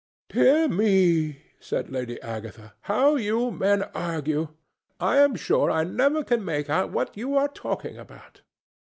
"Dear me!" said Lady Agatha, "how you men argue! I am sure I never can make out what you are talking about.